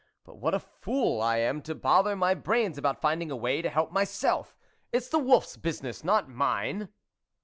But what a fool I am to bother my brains about finding a way to help my self ! It's the wolfs business, not mine